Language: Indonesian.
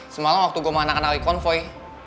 semalam waktu gua mengenakan alikonvoy